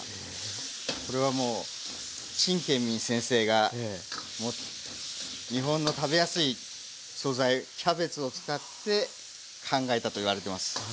これはもう陳建民先生が日本の食べやすい素材キャベツを使って考えたといわれてます。